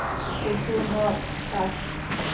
Creció en Oak Park.